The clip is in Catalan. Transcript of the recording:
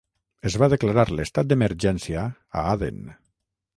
Es va declarar l'estat d'emergència a Aden.